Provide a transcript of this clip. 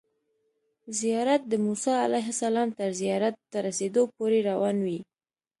زیارت د موسی علیه السلام تر زیارت ته رسیدو پورې روان وي.